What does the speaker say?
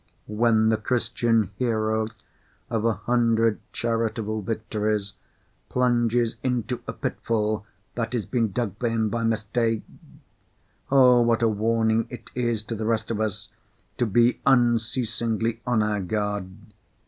When the Christian hero of a hundred charitable victories plunges into a pitfall that has been dug for him by mistake, oh, what a warning it is to the rest of us to be unceasingly on our guard!